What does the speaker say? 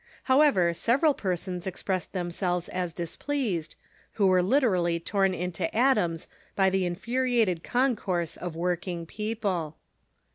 However, several persons expressed themselves as displeased, who were literally torn into atoms by the infu riated concourse of working people.